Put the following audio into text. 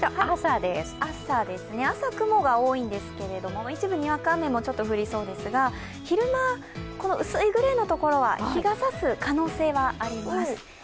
朝、雲が多いんですけど一部にわか雨も降りそうなんですが昼間、薄いグレーのところは日が差す可能性があります。